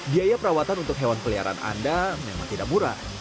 biaya perawatan untuk hewan peliharaan anda memang tidak murah